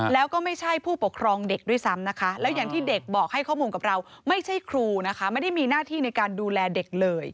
แล้วก็ไม่ใช่ผู้ปกครองเด็กด้วยซ้ำนะคะแล้วอย่างที่เด็กบอกให้ข้อมูลกับเราไม่ใช่ครูนะคะไม่ได้มีหน้าที่ในการดูแลเด็กเลย